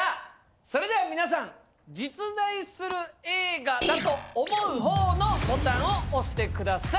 それでは皆さん実在する映画だと思う方のボタンを押してください。